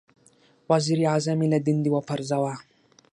• وزیر اعظم یې له دندې وپرځاوه.